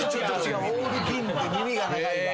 オール銀で耳が長いわ。